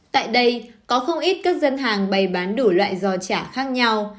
tại đây có không ít các dân hàng bày bán đủ loại giò trả khác nhau